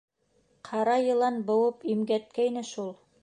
Ҡара йылан быуып имгәткәйне шул.